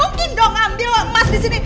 gak mungkin dong ambil emas disini